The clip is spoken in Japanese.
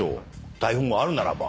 台本があるならば。